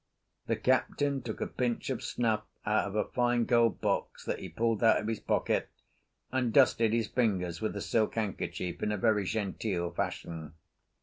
The captain took a pinch of snuff out of a fine gold box that he pulled out of his pocket, and dusted his fingers with a silk handkerchief in a very genteel fashion.